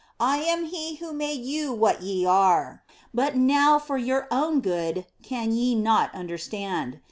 I am He who made you what ye are, but now for your own good can ye not understand.